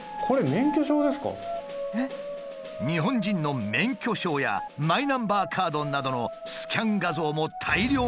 日本人の免許証やマイナンバーカードなどのスキャン画像も大量に売買されていた。